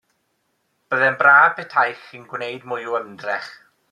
Byddai'n braf petaech chi'n gwneud mwy o ymdrech.